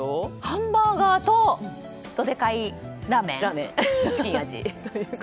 ハンバーガーとドデカイラーメン？